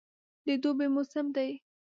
د دوبي موسم دی.